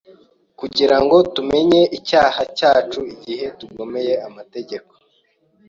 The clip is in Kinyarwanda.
kugira ngo tumenye icyaha cyacu igihe tugomeye amategeko